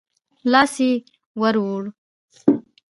لاس يې ور ووړ.